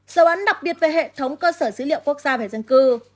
dấu ấn đặc biệt về hệ thống cơ sở dữ liệu quốc gia về dân cư